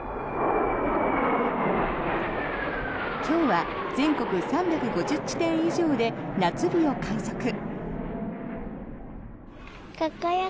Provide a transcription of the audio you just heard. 今日は全国３５０地点以上で夏日を観測。